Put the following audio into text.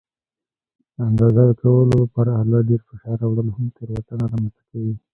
د اندازه کولو پر آله ډېر فشار راوړل هم تېروتنه رامنځته کوي.